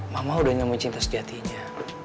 mama udah nyambung cinta sejatinya